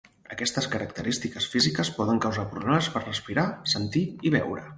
Aquestes característiques físiques poden causar problemes per respirar, sentir i veure.